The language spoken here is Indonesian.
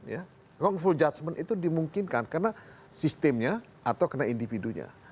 wrongful judgement itu dimungkinkan karena sistemnya atau karena individunya